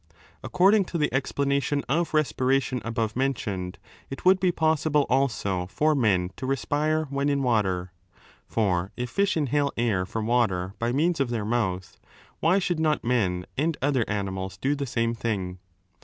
According to 4 the explanation of respiration above mentioned, it would 'be possible also for men to respire when in water. For lif fish inhale air from water by means of their mouth, why should not men and other animals do the same ihing